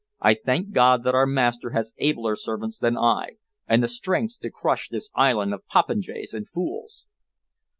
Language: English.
I thank God that our master has abler servants than I and the strength to crush this island of popinjays and fools!"